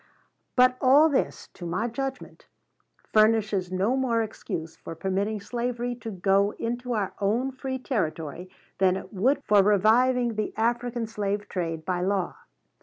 "But all this, to my judgment, furnishes no more excuse for permitting slavery to go into our own free territory than it would for reviving the African slave trade by law.